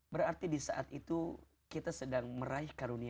berarti disaat itu kita sedang meraih karunia